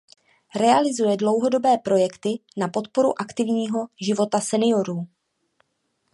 Realizuje dlouhodobé projekty na podporu aktivního života seniorů.